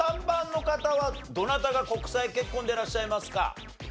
５３番の方はどなたが国際結婚でいらっしゃいますか？